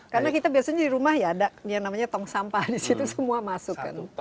karena kita biasanya di rumah ya ada yang namanya tong sampah di situ semua masuk kan